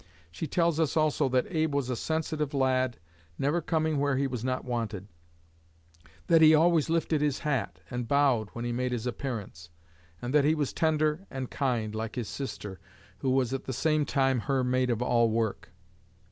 She tells us also that 'Abe was a sensitive lad, never coming where he was not wanted'; that he always lifted his hat, and bowed, when he made his appearance; and that 'he was tender and kind,' like his sister, who was at the same time her maid of all work.